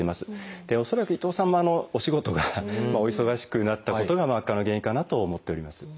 恐らく伊藤さんもお仕事がお忙しくなったことが悪化の原因かなと思っております。